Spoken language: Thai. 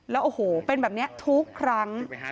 แล้วโอ้โหเป็นแบบนี้ทุกครั้ง